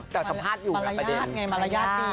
แต่สัมภาษณ์อยู่ประเด็นมารยาทไงมารยาทมี